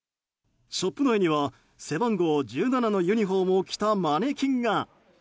ショップ内には背番号１７のユニホームを着たマネキンが。